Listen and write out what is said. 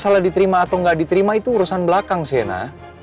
ya masalah diterima atau nggak diterima itu urusan belakang sienna